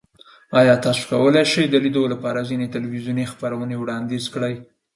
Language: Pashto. ایا تاسو کولی شئ د لیدو لپاره ځینې تلویزیوني خپرونې وړاندیز کړئ؟